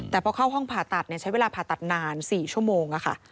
แต่พอเข้าห้องผ่าตัดใช้เวลาผ่าตัดนาน๔ชั่วโมงค่ะ